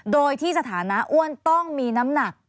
โดยที่สถานะอ้วนต้องมีน้ำหนัก